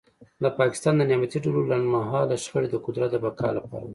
د پاکستان د نیابتي ډلو لنډمهاله شخړې د قدرت د بقا لپاره وې